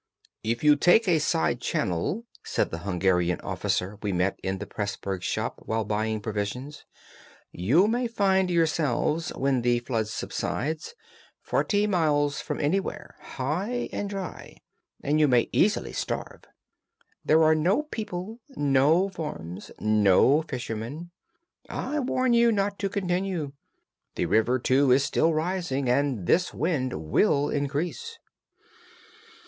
"If you take a side channel," said the Hungarian officer we met in the Pressburg shop while buying provisions, "you may find yourselves, when the flood subsides, forty miles from anywhere, high and dry, and you may easily starve. There are no people, no farms, no fishermen. I warn you not to continue. The river, too, is still rising, and this wind will increase."